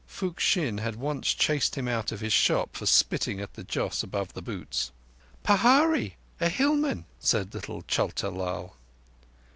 Fook Shing had once chased him out of his shop for spitting at the joss above the boots. "Pahari [a hillman]," said little Chota Lal.